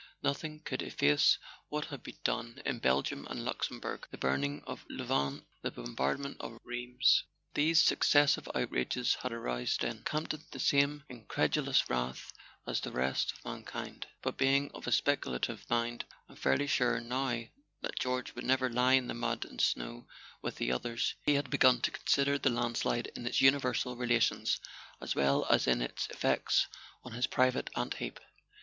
Nothing could efface what had been done in Belgium and Luxembourg, the burn¬ ing of Louvain, the bombardment of Rheims. These successive outrages had roused in Campton the same incredulous wrath as in the rest of mankind; but being of a speculative mind—and fairly sure now that George would never lie in the mud and snow with the others —he had begun to consider the landslide in its uni [ 113 ] A SON AT THE FRONT versal relations, as well as in its effects on his private ant heap.